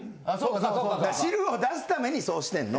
汁を出すためにそうしてんの。